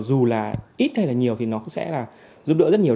dù là ít hay là nhiều thì nó cũng sẽ là giúp đỡ rất nhiều